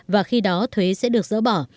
và khi đó thuế sẽ được dỡ bỏ